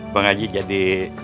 bang haji jadi